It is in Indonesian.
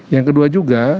yang kedua juga